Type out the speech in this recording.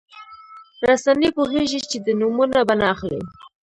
رسنۍ پوهېږي چې د نومونه به نه اخلي.